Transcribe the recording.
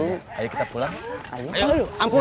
masih saja omong besar